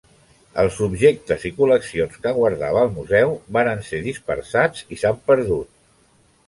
Els objectes i col·leccions que guardava el Museu varen ser dispersats i s'han perdut.